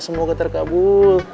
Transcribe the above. semoga tetap baik